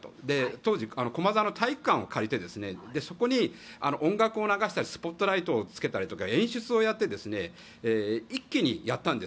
当時、駒沢体育館を借りてそこに音楽を流したりスポットライトをつけたりとか演出をやって一気にやったんです。